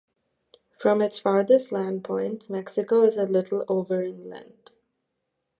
From its farthest land points, Mexico is a little over in length.